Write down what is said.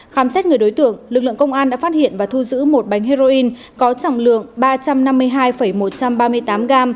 khám xét người đối tượng lực lượng công an đã phát hiện và thu giữ một bánh heroin có trọng lượng ba trăm năm mươi hai một trăm ba mươi tám gram